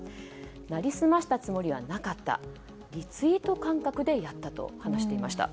成り済ましたつもりはなかったリツイート感覚でやったと話していました。